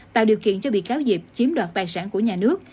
tạo điều kiện cho bị kháo dịp chiếm đoạt tài sản của nhà nước